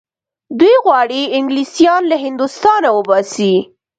دوی غواړي انګلیسیان له هندوستانه وباسي.